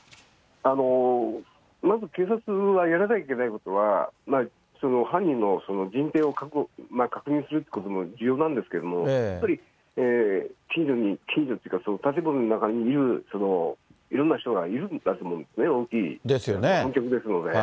まず警察はやらなきゃいけないことは、犯人の人定を確認するということも重要なんですけれども、やっぱり近所に、近所っていうか、建物の中にいる、いろんな人がいるんだと思うんですね、大きい本局ですので。